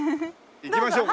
行きましょうか。